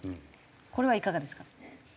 これはいかがですか？